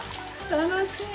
楽しい。